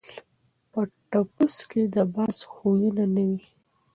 په ټپوس کي د باز خویونه نه وي.